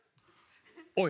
おい！